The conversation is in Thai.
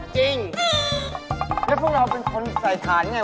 คนขึ้นมาเป็นคนจริงพิกัด